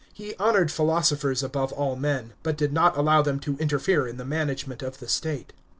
He honoured philosophers above all men, but did not allow them to interfere in the management of the state.